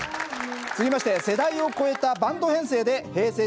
続きまして世代を超えたバンド編成でＨｅｙ！